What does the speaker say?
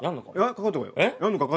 かかってこい。